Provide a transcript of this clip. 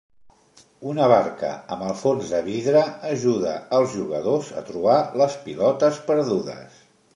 Una barca amb el fons de vidre ajuda als jugadors a trobar les pilotes perdudes.